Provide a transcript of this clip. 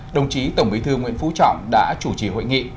đồng chí tổng bí thư nguyễn phú trọng đã chủ trì hội nghị